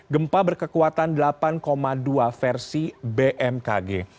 gempa berkekuatan delapan dua versi bmkg